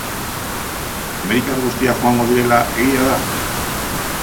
Amerikar guztiak joango direla egia da?